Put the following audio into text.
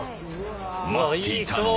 待っていたのは。